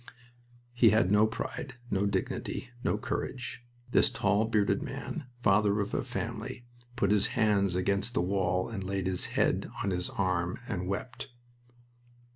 He had no pride, no dignity, no courage. This tall, bearded man, father of a family, put his hands against the wall and laid his head on his arm and wept.